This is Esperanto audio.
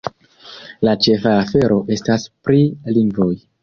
La ĉefa afero estas pri lingvoj.